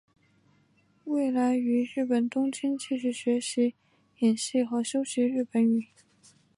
未来于日本东京继续学习演戏和修习日本语。